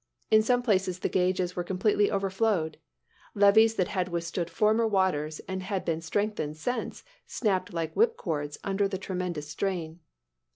In some places the gauges were completely overflowed. Levees that had withstood former waters, and had been strengthened since, snapped like whip cords, under the tremendous strain.